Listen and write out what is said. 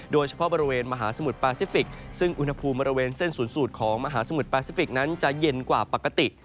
โดยเฉพาะบริเวณมหาสมุทรปาซิฟิกซึ่งอุณหภูมิบริเวณเส้นศูนย์สูตรของมหาสมุทรแปซิฟิกนั้นจะเย็นกว่าปกติ